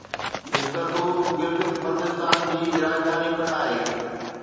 اسڪردو گلگت بلتستان جي راڄڌاني پڻ آهي.